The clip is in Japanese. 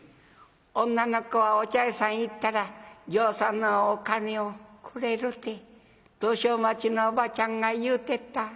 「女の子はお茶屋さんへ行ったらぎょうさんのお金をくれるて道修町のおばちゃんが言うてた」。